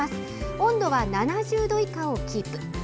温度は７０度以下をキープ。